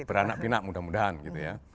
beranak pinak mudah mudahan gitu ya